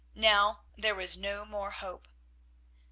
Now there was no more hope.